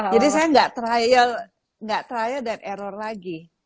jadi saya nggak trial dan error lagi